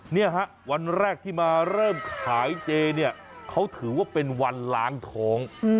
เนี่ยฮะวันแรกที่มาเริ่มขายเจเนี่ยเขาถือว่าเป็นวันล้างท้อง